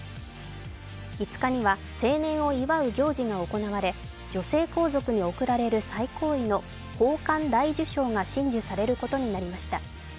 ５日には成年を祝う行事が行われ、女性皇族に送られる最高位の宝冠大綬章が親授されることになりました。